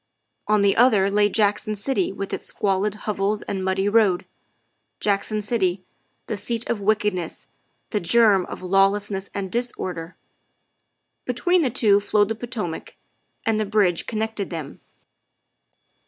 On the other lay Jackson City with its squalid hovels and muddy road Jackson City, the seat of wickedness, the germ of lawlessness and disorder. Between the two flowed the Potomac, and the bridge connected them.